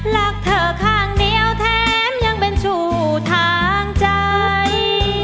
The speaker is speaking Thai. รักเธอข้างเดียวแถมยังเป็นชู่ทางใจ